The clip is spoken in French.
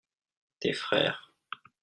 tes frères.